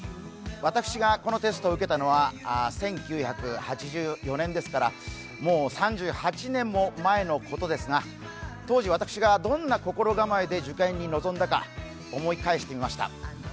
私がこのテストを受けたのは１９８４年ですから、もう３８年も前のことですが当時私がどんな心構えで受験に臨んだか思い返してみました。